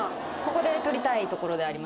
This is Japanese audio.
取りたいところではあります。